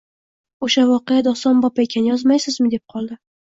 — O’sha voqea dostonbop ekan, yozmaysizmi? – deb qoldi.